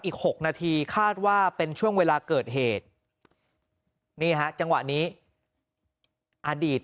อีก๖นาทีคาดว่าเป็นช่วงเวลาเกิดเหตุนี่ฮะจังหวะนี้อดีต